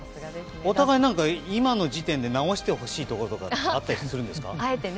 お互い、今の時点で直してほしいところとかあったりするんですか？